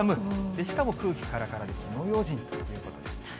しかも空気からからで火の用心ということですね。